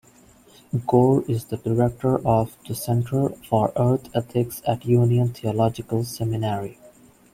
Gore is the director of the Center for Earth Ethics at Union Theological Seminary.